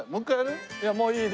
いやもういい。